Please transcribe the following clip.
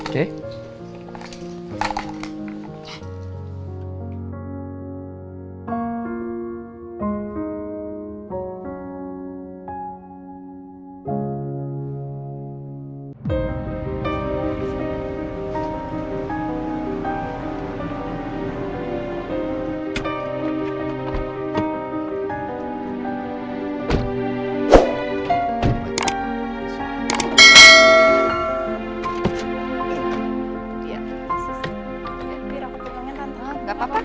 ya ibu biar aku turunin nanti